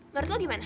menurut lu gimana